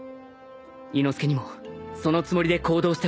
伊之助にもそのつもりで行動してほしい。